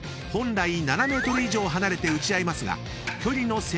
［本来７ｍ以上離れて打ち合いますが］